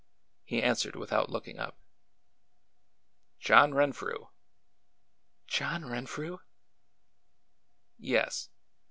He answered without looking up. " John Renfrew." ''John Renfrew!'' " Yes."